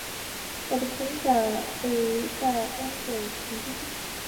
大分松冈停车区是位于大分县大分市的东九州自动车道之停车区。